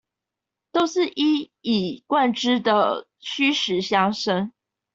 都是一以貫之的虛實相生